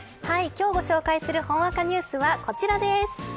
今日ご紹介するほんわかニュースはこちらです。